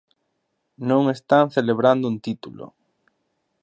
Non están celebrando un título.